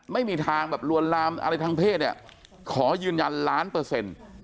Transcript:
ไม่มีทางแบบลวนลามอะไรทางเพศเนี่ยขอยืนยันล้านเปอร์เซ็นต์